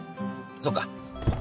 そうか。